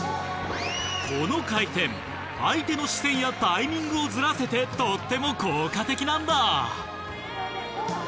この回転相手の視線やタイミングをずらせてとっても効果的なんだ。